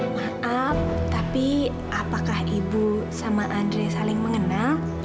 maaf tapi apakah ibu sama andre saling mengenal